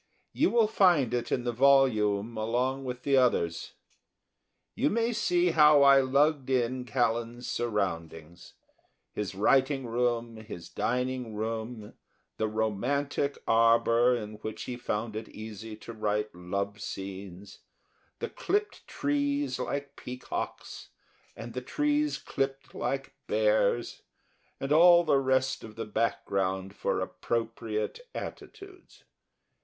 You will find it in the volume along with the others; you may see how I lugged in Callan's surroundings, his writing room, his dining room, the romantic arbour in which he found it easy to write love scenes, the clipped trees like peacocks and the trees clipped like bears, and all the rest of the background for appropriate attitudes.